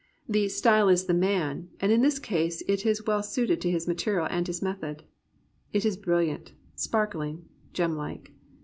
"The style is the man," and in this case it is well suited to his material and his method. It is bril liant, sparkling, gemlike.